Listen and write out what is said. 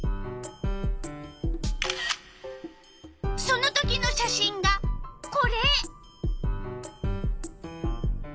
そのときの写真がこれ！